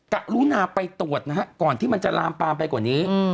กะรุนาไปตรวจนะฮะก่อนที่มันจะลามปามไปกว่านี้